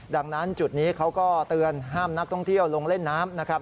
ดังนั้นจุดนี้เขาก็เตือนห้ามนักท่องเที่ยวลงเล่นน้ำนะครับ